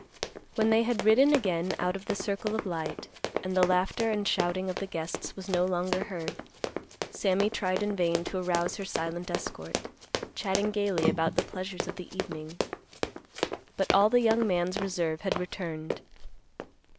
When they had ridden again out of the circle of light, and the laughter and shouting of the guests was no longer heard, Sammy tried in vain to arouse her silent escort, chatting gaily about the pleasures of the evening. But all the young man's reserve had returned.